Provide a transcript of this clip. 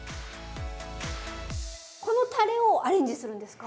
このたれをアレンジするんですか？